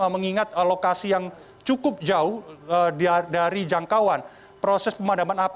mengingat lokasi yang cukup jauh dari jangkauan proses pemadaman api